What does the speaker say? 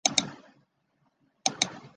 阿尔科人口变化图示